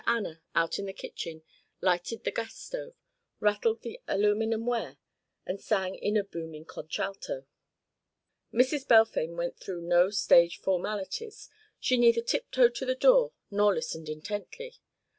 Anna, out in the kitchen, lighted the gas stove, rattled the aluminum ware, and sang in a booming contralto. Mrs. Balfame went through no stage formalities; she neither tiptoed to the door nor listened intently.